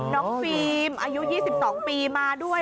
น้องฟีมอายุ๒๒ปีมาด้วย